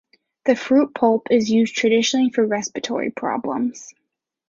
The fruit pulp is used traditionally for respiratory problems.